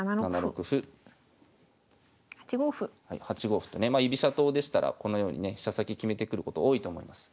８五歩とねまあ居飛車党でしたらこのようにね飛車先決めてくること多いと思います。